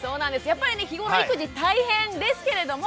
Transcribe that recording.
やっぱりね日頃育児大変ですけれども。